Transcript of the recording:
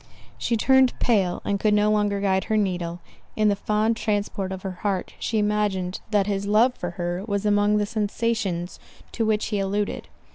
She turned pale, and could no longer guide her needle—in the fond transport of her heart she imagined that his love for her, was among the sensations to which he alluded.